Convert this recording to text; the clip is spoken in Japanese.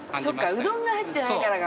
うどんが入ってないからか。